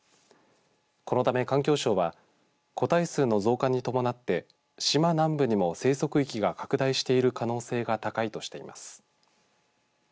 このため環境省は個体数の増加に伴って島南部にも生息域が拡大している可能性が高いとしています。